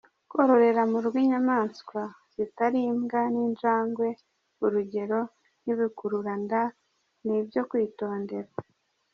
Kororera mu rugo inyamaswa zitari imbwa n’ injangwe urugero nk’ ibikururanda, ni ibyo kwitondera.